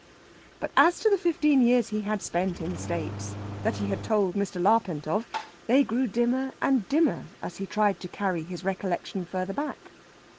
But as to the fifteen years he had spent in the States, that he had told Mr. Larpent of, they grew dimmer and dimmer as he tried to carry his recollection further back.